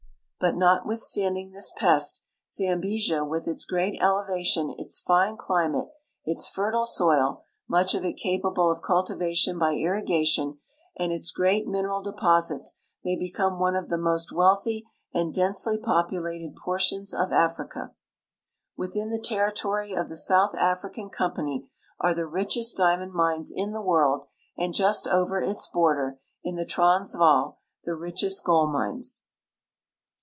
But notwithstanding this pest, Zambesia, with its great elevation, its fine climate, its fertile soil (much of it capable of cultivation by irrigation), and its great mineral deposits, may become one of the most wealth v and densely populated portions of Africa. ^^dthin the territoiy of the South African Company are the richest diamond mines in the world, and just over its border, in the Transvaal, the richest gold mines.